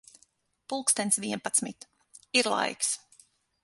Pulkstens vienpadsmit. Ir laiks.